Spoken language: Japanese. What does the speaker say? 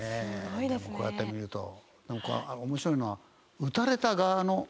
でもこうやって見るとなんか面白いのは。